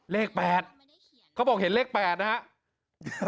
เลข๘เขาบอกเห็นเลข๘นะครับ